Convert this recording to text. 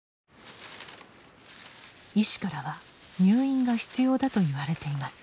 医師からは入院が必要だと言われています。